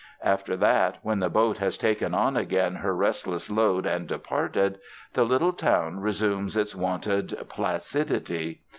After that when the boat has taken on again her restless load and departed, the little town resumes its wonted placidity.